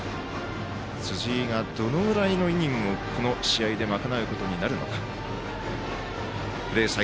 辻井がどのぐらいのイニングを試合でまかなうことになるのか。